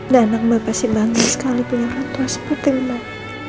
dan anak mbak pasti bangga sekali punya orang tua seperti mbak